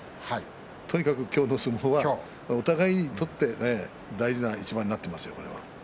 とにかく今日の相撲はお互いにとって大事な一番になっていますよ、これは。